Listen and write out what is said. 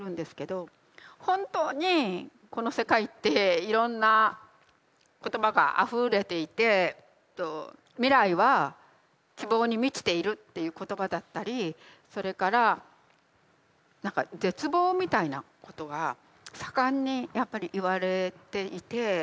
本当にこの世界っていろんな言葉があふれていて未来は希望に満ちているっていう言葉だったりそれから何か絶望みたいなことが盛んにやっぱり言われていて。